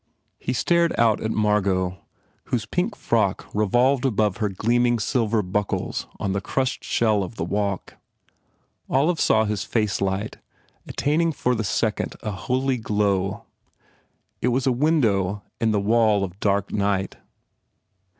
He stared out at Margot whose pink frock re volved above her gleaming silver buckles on the crushed shell of the walk. Olive saw his face light, attaining for the second a holy glow. It was a window in the wall of dark night.